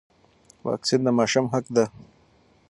واکسین د ماشوم حق دی.